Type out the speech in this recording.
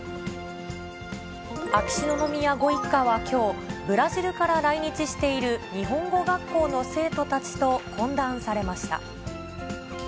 秋篠宮ご一家はきょう、ブラジルから来日している日本語学校の生徒たちと懇談されました。